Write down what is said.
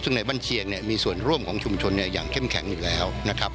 ซึ่งในบ้านเชียงเนี่ยมีส่วนร่วมของชุมชนอย่างเข้มแข็งอยู่แล้วนะครับ